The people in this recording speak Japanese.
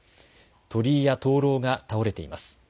鳥居や灯籠が倒れています。